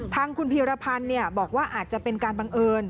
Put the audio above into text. ทางคุณพีรพันธ์บอกว่าอาจจะเป็นการบังเอิญ